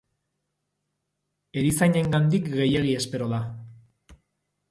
Erizainengandik gehiegi espero da.